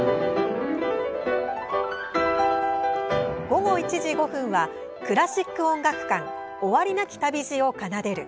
午後１時５分は「クラシック音楽館終わりなき旅路を奏でる」。